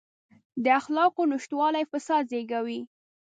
د اخلاقو نشتوالی فساد زېږوي.